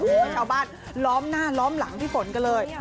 ชาวบ้านล้อมหน้าล้อมหลังพี่ฝนกันเลย